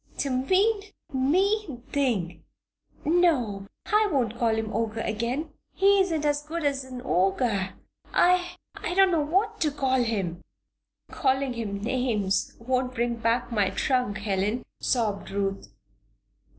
"The mean, mean thing! No, I won't call him Ogre again; he isn't as good as an Ogre. I I don't know what to call him!" "Calling him names won't bring back my trunk, Helen," sobbed Ruth.